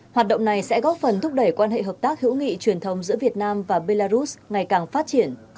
hoạt động này sẽ góp phần thúc đẩy quan hệ hợp tác hữu nghị truyền thống giữa việt nam và belarus ngày càng phát triển